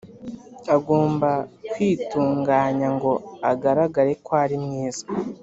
Agomba kwitunganya ngo agaragare ko ari mwiza